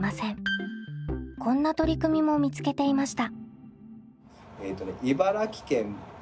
こんな取り組みも見つけていました。